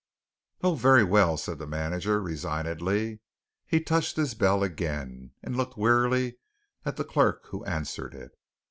"Oh, very well!" said the manager resignedly. He touched his bell again, and looked wearily at the clerk who answered it.